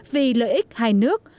vì lợi ích hai nước